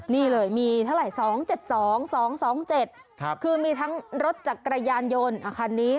นี่เลยมีเท่าไหร่๒๗๒๒๗คือมีทั้งรถจักรยานยนต์คันนี้